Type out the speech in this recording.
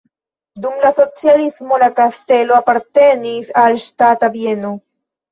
Dum la socialismo la kastelo apartenis al ŝtata bieno.